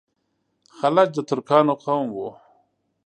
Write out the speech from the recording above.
خلج د ترکانو قوم وو.